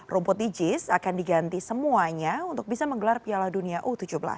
rumput di jis akan diganti semuanya untuk bisa menggelar piala dunia u tujuh belas